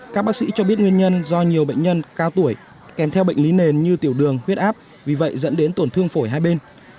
các bác sĩ cho biết nguyên nhân do nhiều bệnh nhân cao tuổi kèm theo bệnh lý nền như tiểu đường huyết áp vì vậy dẫn đến tổn thương phổi hai bên